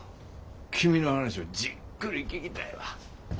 君の話をじっくり聞きたいわ。